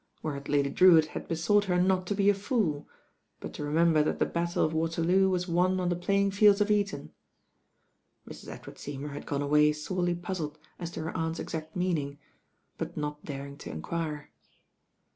iWhereat Lady Drewitt had besought her not to be a fool ; but to remember that the Bat tle of Waterloo was won on the playing fields of Eton. Mrs. Edward Seymour had gone away sorely puzzled as to her Aunt's exact meanmg; but not daring to enquire.